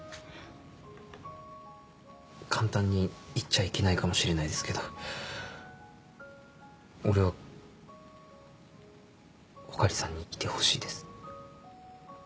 簡単に言っちゃいけないかもしれないですけど俺は穂刈さんにいてほしいです。